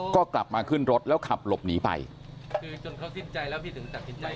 ก็กลับมาขึ้นรถแล้วขับหลบหนีไปคือจนเขาสิ้นใจแล้วพี่ถึงตัดสินใจ